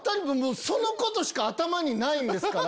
そのことしか頭にないんですから。